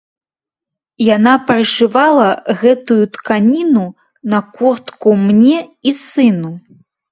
Яна прышывала гэтую тканіну на куртку мне і сыну.